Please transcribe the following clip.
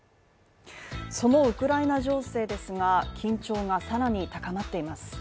そのウクライナ情勢ですが緊張が更に高まっています。